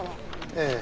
ええ。